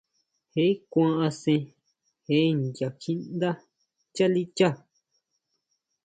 Je kuan asén je nya kjiʼndá chalicha.